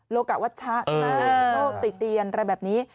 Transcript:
โลกะวัชชะโลกติเตียนอะไรแบบนี้